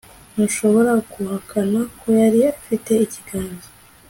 Ntushobora guhakana ko yari afite ikiganza